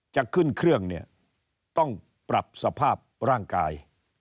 จะขึ้นเครื่องเนี่ยต้องปรับสภาพร่างกาย